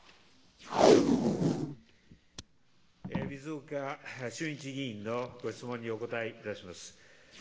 水岡俊一議員のご質問にお答えいたします。